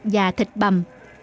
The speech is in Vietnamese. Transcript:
và thịt bầm